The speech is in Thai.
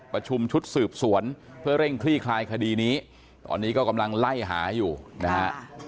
ประชุมชุดสืบสวนเพื่อเร่งคลี่คลายคดีนี้ตอนนี้ก็กำลังไล่หาอยู่นะฮะ